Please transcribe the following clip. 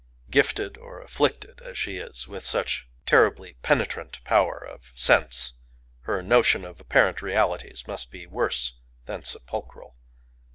Gifted, or afflicted, as she is with such terribly penetrant power of sense, her notion of apparent realities must be worse than sepulchral.